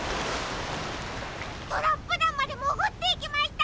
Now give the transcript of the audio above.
トラップだんまでもぐっていきました！